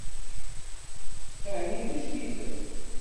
Ɛni d ijdiden?